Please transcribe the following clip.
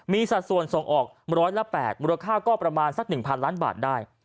มีสัดส่วนส่งออกร้อยละ๘มูลค่าก็ประมาณสัก๑๐๐ล้านบาทได้